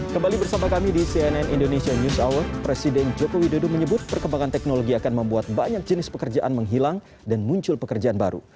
kembali bersama kami di cnn indonesia news hour presiden joko widodo menyebut perkembangan teknologi akan membuat banyak jenis pekerjaan menghilang dan muncul pekerjaan baru